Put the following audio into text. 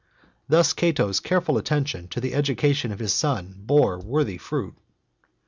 Thus. Cato's careful attention to the education of his son bore worthy fruit. XXI.